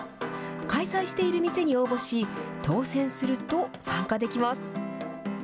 開催している店に応募し、当せんすると参加できます。